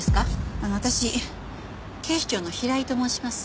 あの私警視庁の平井と申します。